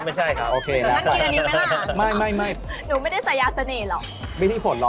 ไม่ใช่ครับ